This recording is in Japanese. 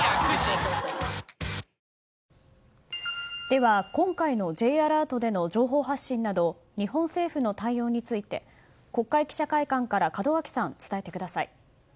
では今回のＪアラートでの情報発信など日本政府の対応について国会記者会館から門脇さん伝えてください。